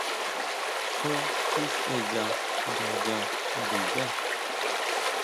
Xjó tisʼeya ngayá ndiyá.